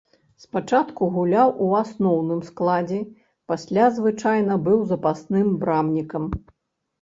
Спачатку гуляў у асноўным складзе, пасля звычайна быў запасным брамнікам.